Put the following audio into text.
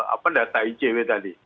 apa data icw tadi